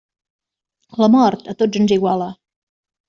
La mort, a tots ens iguala.